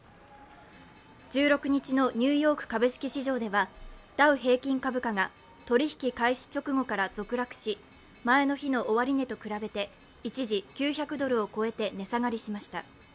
１６日のニューヨーク株式市場ではダウ平均株価が取引開始直後から続落し、前の日の終値と比べて一時、９００ドルを超えて値下がりしました。